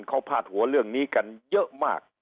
เขาพาดหัวเรื่องนี้กันเยอะมาก